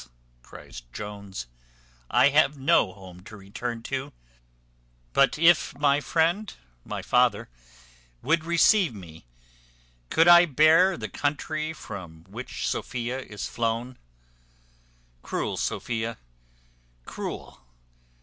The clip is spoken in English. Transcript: cries Jones, "I have no home to return to; but if my friend, my father, would receive me, could I bear the country from which Sophia is flown? Cruel Sophia! Cruel!